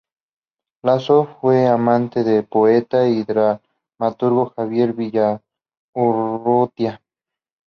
Lazo fue amante del poeta y dramaturgo Xavier Villaurrutia.